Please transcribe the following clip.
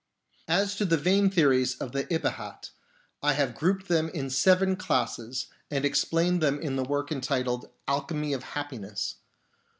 As to the vain theories of the Ibahat, I have grouped them in seven classes, and explained them in the work entitled Alchemy of Happiness.